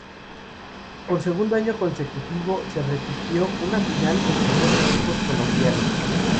Por segundo año consecutivo, se repitió una final entre dos equipos colombianos.